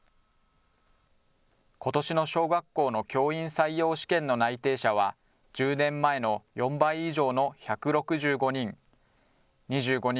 ことしの小学校の教員採用試験の内定者は、１０年前の４倍以上の１６５人。